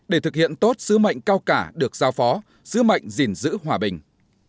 để thực hiện tốt sứ mệnh cao cả được giao phó sứ mệnh gìn giữ hòa bình